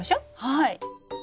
はい。